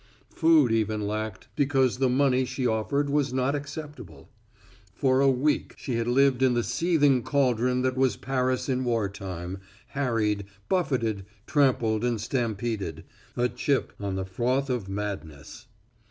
Food even lacked, because the money she offered was not acceptable. For a week she had lived in the seething caldron that was Paris in war time, harried, buffeted, trampled and stampeded a chip on the froth of madness.